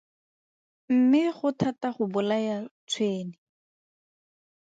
Mme go thata go bolaya tshwene.